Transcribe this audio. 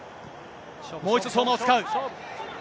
もう一度、相馬を使う。